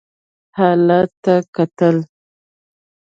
حالت ته کتل.